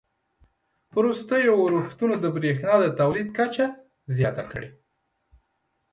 وروستیو اورښتونو د بریښنا د تولید کچه زیاته کړې